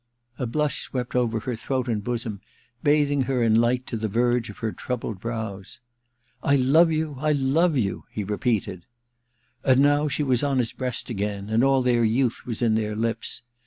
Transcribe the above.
A blush swept over her throat and bosom, bathing her in light to the verge of her troubled brows. * I love you ! I love you !* he repeated. And now she was on his breast again, and all their youth was in their lips.